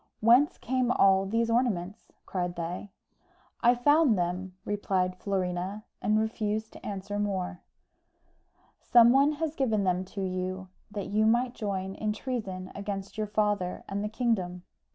"Whence came all these ornaments?" cried they. "I found them," replied Florina, and refused to answer more. "Some one has given them to you that you might join in treason against your father and the kingdom.